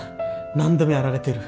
何度もやられてる。